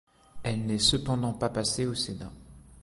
Elle n'est cependant pas passée au Sénat.